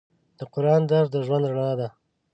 د قرآن درس د ژوند رڼا ده.